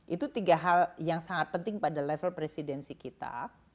itu tiga hal yang sangat penting pada level presidensi kita